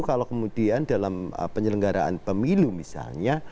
kalau kemudian dalam penyelenggaraan pemilu misalnya